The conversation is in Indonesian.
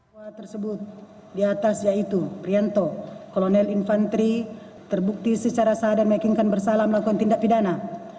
bahwa tersebut di atas yaitu prianto kolonel infantri terbukti secara sah dan meyakinkan bersalah melakukan tindak pidana